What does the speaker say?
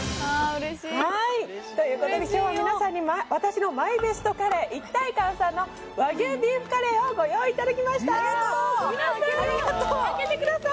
はいということで今日は皆さんに私のＭＹＢＥＳＴカレー一体感さんの和牛ビーフカレーをご用意いただきました皆さん開けてください